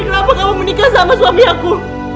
kenapa kamu menikah sama suami aku